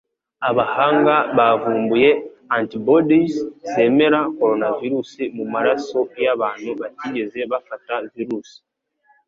Abahanga bavumbuye antibodies zemera koronavirusi mu maraso yabantu batigeze bafata virusi.